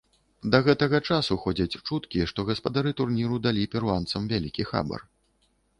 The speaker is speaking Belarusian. Да гэтага часу ходзяць чуткі, што гаспадары турніру далі перуанцам вялікі хабар.